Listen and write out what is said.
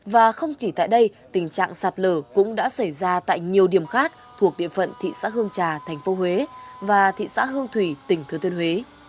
và không chỉ tại đây tình trạng sạt lở cũng đã xảy ra tại nhiều điểm khác thuộc địa phận thị xã hương trà thành phố huế và thị xã hương thủy tỉnh thứa thuyên huế